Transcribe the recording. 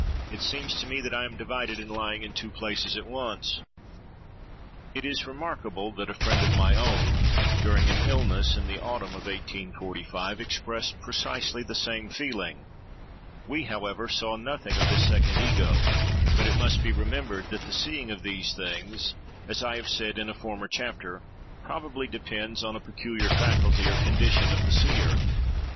It seems to me that I am divided and lying in two places at once." It is remarkable, that a friend of my own, during an illness in the autumn of 1845, expressed precisely the same feeling; we, however, saw nothing of this second ego; but it must be remembered, that the seeing of these things, as I have said in a former chapter, probably depends on a peculiar faculty or condition of the seer.